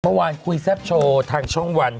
เมื่อวานคุยแซ่บโชว์ทางช่องวัน